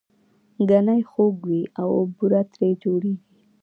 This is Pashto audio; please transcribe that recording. ګنی خوږ وي او بوره ترې جوړیږي